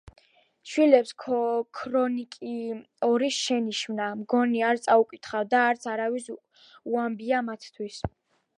შვილებს ქრონიკიორის შენიშვნა, მგონი, არ წაუკითხავთ და არც არავის უამბნია მათთვის.